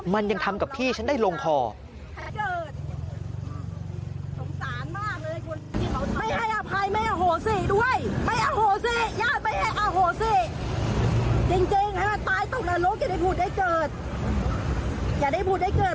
มันยังทำกับพี่ฉันได้ลงคอ